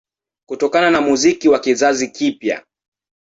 Kutokana na muziki wa kizazi kipya